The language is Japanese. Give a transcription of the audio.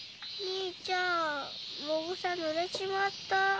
兄ちゃんモグサ濡れちまった。